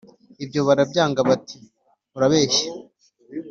ibyo barabyanga bati : urabeshya